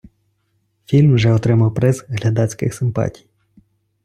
Фільм вже отримав приз глядацьких симпатій.